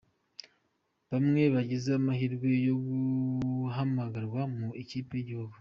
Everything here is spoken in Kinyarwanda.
Bamwe bagize amahirwe yo guhamagarwa mu ikipe y'igihugu.